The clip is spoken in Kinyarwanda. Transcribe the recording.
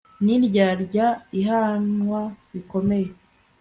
n'indyarya igahanwa bikomeye